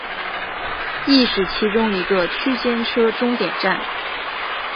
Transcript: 亦是其中一个区间车终点站。